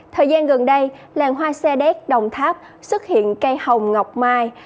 thời gian gần đây làng hoa xe đét đồng tháp xuất hiện cây hồng ngọc mai